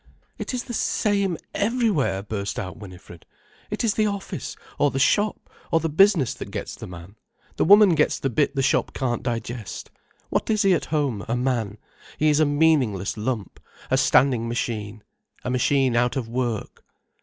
"It is the same everywhere," burst out Winifred. "It is the office, or the shop, or the business that gets the man, the woman gets the bit the shop can't digest. What is he at home, a man? He is a meaningless lump—a standing machine, a machine out of work."